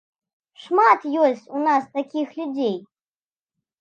Шмат ёсць у нас такіх людзей.